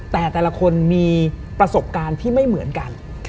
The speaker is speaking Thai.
แต่แต่ละคนมีประสบการณ์ที่ไม่เหมือนกัน